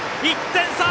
１点差！